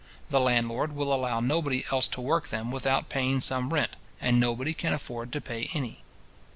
The landlord will allow nobody else to work them without paying some rent, and nobody can afford to pay any.